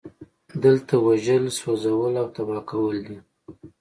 دلته وژل سوځول او تباه کول دي